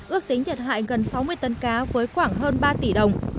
ước tính thiệt hại gần sáu mươi tấn cá với khoảng hơn ba tỷ đồng